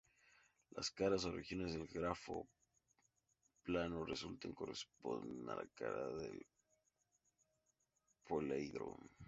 Las caras o regiones del grafo plano resultante corresponden a las caras del poliedro.